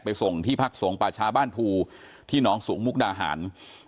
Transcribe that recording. ไปส่งที่พรรคสวงป่าชาบ้านพูที่น้องสุงมกดาห่าน